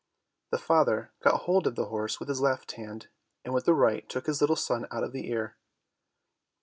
The father got hold of the horse with his left hand and with the right took his little son out of the ear.